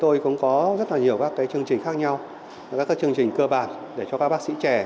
tôi cũng có rất là nhiều các chương trình khác nhau các chương trình cơ bản để cho các bác sĩ trẻ